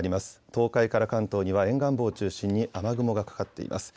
東海から関東には沿岸部を中心に雨雲がかかっています。